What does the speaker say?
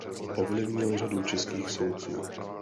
Ovlivnil řadu českých soudců.